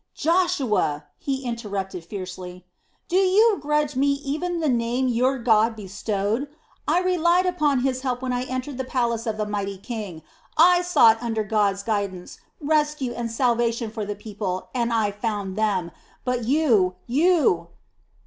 '" "Joshua!" he interrupted fiercely. "Do you grudge me even the name your God bestowed? I relied upon His help when I entered the palace of the mighty king. I sought under God's guidance rescue and salvation for the people, and I found them. But you, you...."